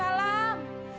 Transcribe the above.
selamat tinggal mas